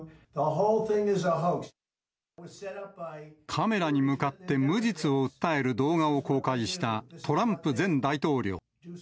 カメラに向かって無実を訴える動画を公開したトランプ前大統領。